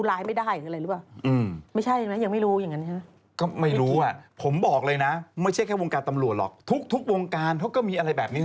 แต่ก่อนนั้นเนี่ยเขาก็จะมีแบบบางคนก็ออกมาอู้หูแบบ